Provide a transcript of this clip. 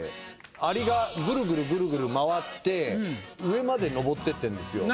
アリがぐるぐるぐるぐる回って上まで登っていってんですよ。